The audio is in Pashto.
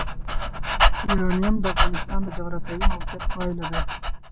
یورانیم د افغانستان د جغرافیایي موقیعت پایله ده.